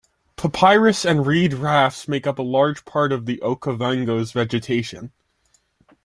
Papyrus and reed rafts make up a large part of the Okavango's vegetation.